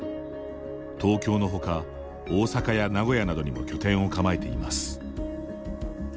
東京の他、大阪や名古屋などにも拠点を構えています。